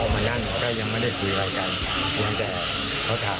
เบิร์นรัดมีกระพุ่ยมา